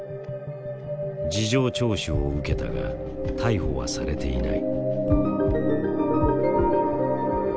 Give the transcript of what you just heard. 事情聴取を受けたが逮捕はされていない。